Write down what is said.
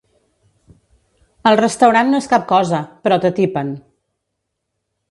El restaurant no és cap cosa, però t'atipen.